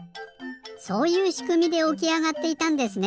そういうしくみでおきあがっていたんですね！